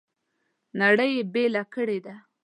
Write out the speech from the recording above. نړۍ یې بېله کړې ده.